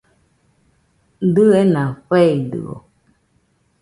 Dɨena feidɨo